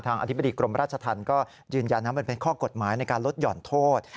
อธิบดีกรมราชธรรมก็ยืนยันนะมันเป็นข้อกฎหมายในการลดหย่อนโทษ